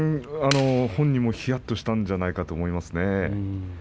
本人も、ひやっとしたんじゃないでしょうかね。